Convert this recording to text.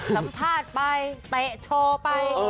สัมภาษณ์ไปเตะโชว์ไป